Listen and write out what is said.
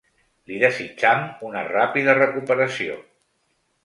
Li desitjam una ràpida recuperació.